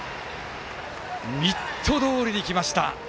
ミットどおりに来ました。